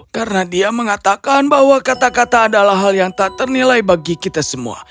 karena dia mengatakan bahwa kata kata adalah hal yang tak ternilai bagi kita semua